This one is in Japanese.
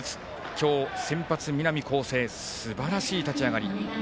今日、先発、南恒誠すばらしい立ち上がり。